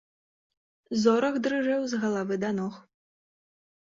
Зорах дрыжэў з галавы да ног.